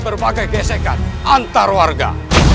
berbagai gesekan antar warga